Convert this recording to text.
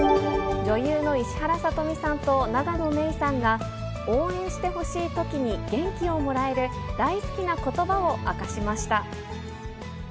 女優の石原さとみさんと永野芽郁さんが、応援してほしいときに元気をもらえる、大好きなことばを明かしました。